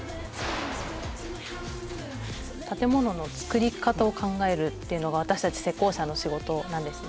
建物のつくり方を考えるっていうのが私たち施工者の仕事なんですね。